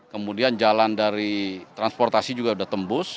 kemudian jalan dari transportasi juga sudah tembus